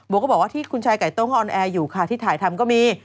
ก็บอกว่าที่คุณชายไก่โต้งออนแอร์อยู่ค่ะที่ถ่ายทำก็มี